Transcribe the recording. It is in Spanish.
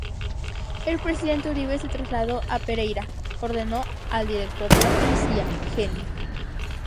El presidente Uribe se trasladó a Pereira, ordenó al director de la Policía, Gen.